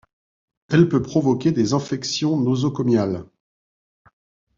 Elle peut provoquer des infections nosocomiales.